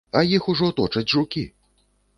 А іх ужо точаць жукі!